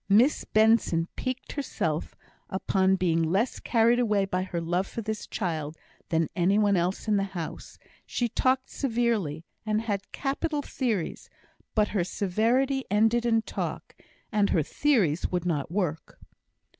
Miss Benson piqued herself upon being less carried away by her love for this child than any one else in the house; she talked severely, and had capital theories; but her severity ended in talk, and her theories would not work.